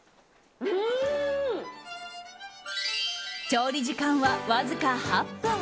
調理時間はわずか８分。